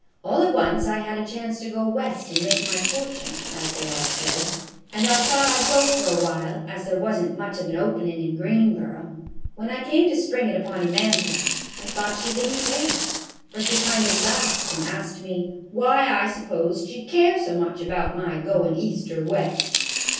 All at once I had a chance to go West and make my fortune, as they all said, and I thought I 'd go for a while, as there was n't much of an openin' in Greenboro. When I came to spring it upon Amanda, I thought she did n't care, for she kind o' laughed and asked me ' why I s'posed she 'd care so much about my goin' East or West.'